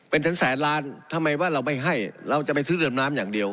เป็นถึงแสนล้านทำไมว่าเราไม่ให้เราจะไปซื้อเรือมน้ำอย่างเดียว